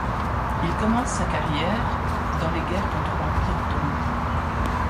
Il commence sa carrière dans les guerres contre l’Empire ottoman.